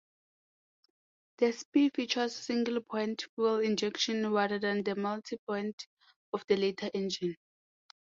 The Spi features single-point fuel injection rather than the multi-point of the later engine.